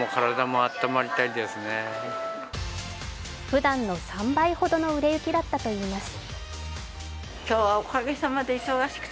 ふだんの３倍ほどの売れ行きだったといいます。